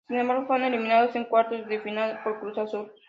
Sin embargo fueron eliminados en cuartos de final por Cruz Azul.